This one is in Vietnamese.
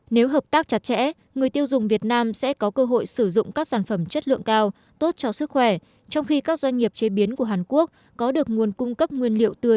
nếu hợp tác chặt chẽ người tiêu dùng việt nam sẽ có cơ hội sử dụng các sản phẩm chất lượng cao tốt cho sức khỏe trong khi các doanh nghiệp chế biến của hàn quốc có được nguồn cung cấp nguyên liệu tươi